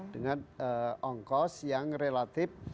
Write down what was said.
dengan ongkos yang relatif